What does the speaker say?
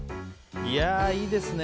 いいですね。